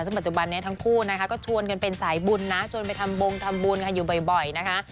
ซึ่งปัจจุบันนี้ทั้งคู่นะคะก็ชวนกันเป็นสายบุญนะชวนไปทำบงทำบุญค่ะอยู่บ่อยนะคะ